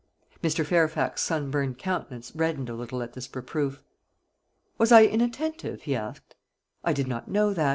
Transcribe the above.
Mr. Fairfax's sunburnt countenance reddened a little at this reproof. "Was I inattentive?" he asked; "I did not know that.